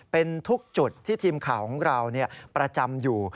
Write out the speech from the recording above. เป็นทุกจุดที่ทีมข่าวของเราประจำอยู่